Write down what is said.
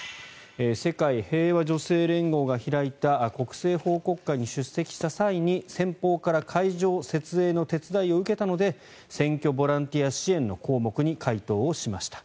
世界平和女性連合が開いた国政報告会に出席した際に先方から会場設営の手伝いを受けたので選挙ボランティア支援の項目に回答しました。